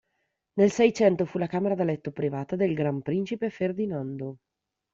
Nel Seicento fu la camera da letto privata del Gran Principe Ferdinando.